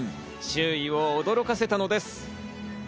周囲を驚かせたのです。